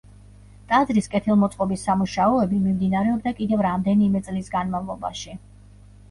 ტაძრის კეთილმოწყობის სამუშაოები მიმდინარეობდა კიდევ რამდენიმე წლის განმავლობაში.